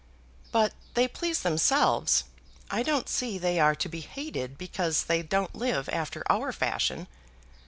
"But they please themselves. I don't see they are to be hated because they don't live after our fashion."